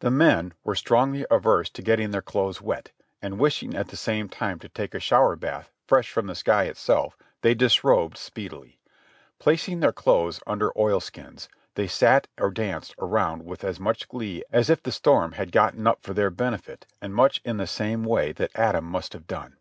The men were strongly averse to getting their clothes wet, and wishing at the same time to take a shower bath fresh from the sky itself, they disrobed speedily. Placing their clothes under oilcloths, they sat or danced around with as much glee as if the storm had been gotten up for their benefit, and much in the same way that Adam must have done.